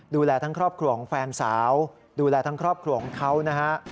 ดูแลทั้งครอบครัวของแฟนสาวดูแลทั้งครอบครัวของเขานะฮะ